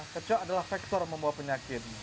kecoak adalah faktor yang membawa penyakit